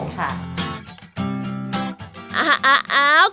ครับผม